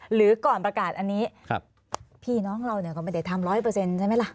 หรือก่อนประกาศอันนี้พี่น้องเราก็ไม่ได้ทำ๑๐๐ใช่ไหมล่ะ